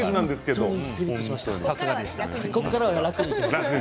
ここからは楽にいきます。